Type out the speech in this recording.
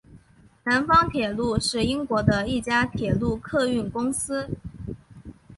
南方铁路是英国的一家铁路客运公司。